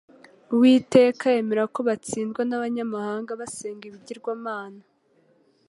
Uwiteka yemera ko batsindwa n'abanyamahanga basenga ibigirwamana.